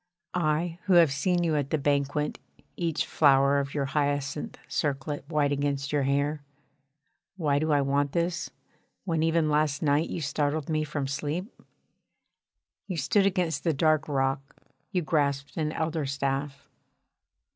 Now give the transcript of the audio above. I who have seen you at the banquet each flower of your hyacinth circlet white against your hair. Why do I want this, when even last night you startled me from sleep? You stood against the dark rock, you grasped an elder staff.